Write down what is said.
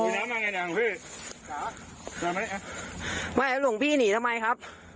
อ๋อน้ำมาไงน้ำพี่น้ำมานี่อ่ะไม่แล้วหลวงพี่หนีทำไมครับ